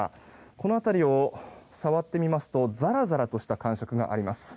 この辺りを触ってみますとザラザラとした感触があります。